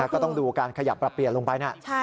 ก็ต้องดูการขยับปรับเปลี่ยนลงไปนะ